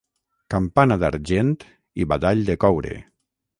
Campana d'argent i badall de coure.